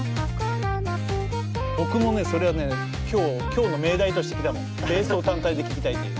僕もねそれはね今日の命題として来たの。ベースを単体で聴きたいっていう。